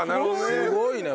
すごいね。